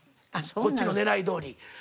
こっちの狙いどおり。